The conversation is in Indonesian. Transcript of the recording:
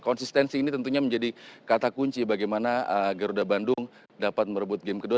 konsistensi ini tentunya menjadi kata kunci bagaimana garuda bandung dapat merebut game kedua